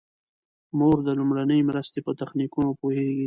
مور د لومړنۍ مرستې په تخنیکونو پوهیږي.